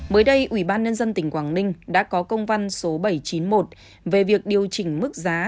mới đây ubnd tỉnh quảng ninh đã có công văn số bảy trăm chín mươi một về việc điều chỉnh mức giá